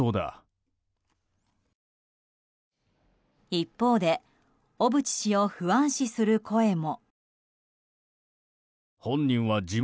一方で小渕氏を不安視する声も。